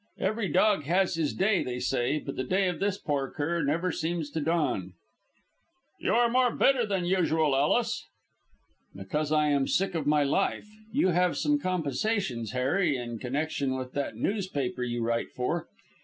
Every dog has his day, they say: but the day of this poor cur never seems to dawn." "You are more bitter than usual, Ellis." "Because I am sick of my life. You have some compensations, Harry, in connection with that newspaper you write for.